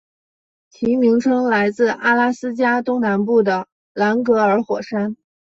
其名称来自阿拉斯加东南部的兰格尔火山。